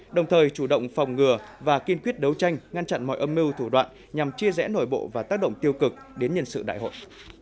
đồng thời chủ động phòng ngừa và kiên quyết đấu tranh ngăn chặn mọi âm mưu thủ đoạn nhằm chia rẽ nổi bộ và tác động tiêu cực đến nhân sự đại hội